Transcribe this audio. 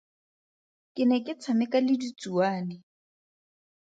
Ke ne ke tshameka le ditsuane.